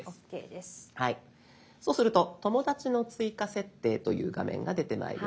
そうすると「友だちの追加設定」という画面が出てまいります。